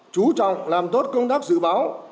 chú trọng làm tốt công tác dự báo